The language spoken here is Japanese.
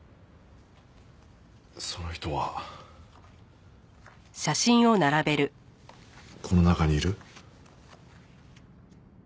その人はこの中にいる？